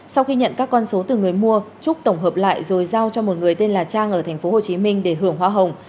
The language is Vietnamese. sau khi nhận các con số từ người mua trúc tổng hợp lại rồi giao cho một người tên là trang ở thành phố hồ chí minh để hưởng hóa hồng